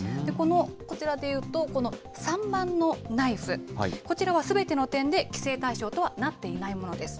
こちらでいうと、この３番のナイフ、こちらはすべての点で規制対象とはなっていないものです。